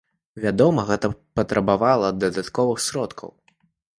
Вядома, гэта патрабавала дадатковых сродкаў.